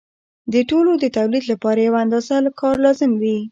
د ټولو د تولید لپاره یوه اندازه کار لازم وي